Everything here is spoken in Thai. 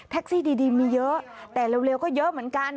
ซี่ดีมีเยอะแต่เร็วก็เยอะเหมือนกัน